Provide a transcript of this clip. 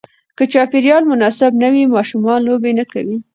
که چاپېریال مناسب نه وي، ماشومان لوبې نه کوي.